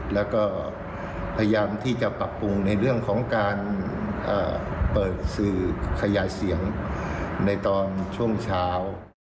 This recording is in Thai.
แล้วก็พยายามที่จะปรับปรุงในเรื่องของการเปิดสื่อขยายเสียงในตอนช่วงเช้า